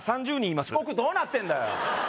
どうなってんだよ